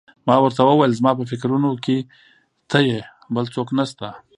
ما ورته وویل: زما په فکرونو کې ته یې، بل څوک نه شته.